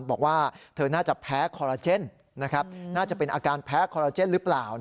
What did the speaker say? บอกว่าเธอน่าจะแพ้คอลลาเจนน่าจะเป็นอาการแพ้คอลลาเจนหรือเปล่า